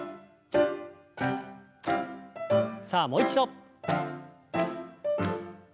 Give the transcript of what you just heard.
さあもう一度。